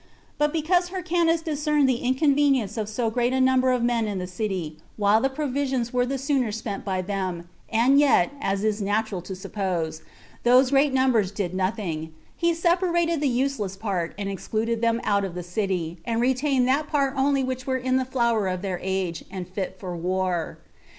But because Hyrcanus discerned the inconvenience of so great a number of men in the city, while the provisions were the sooner spent by them, and yet, as is natural to suppose, those great numbers did nothing, he separated the useless part, and excluded them out of the city, and retained that part only which were in the flower of their age, and fit for war.